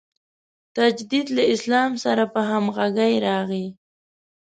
تجدد له اسلام سره په همغږۍ راغی.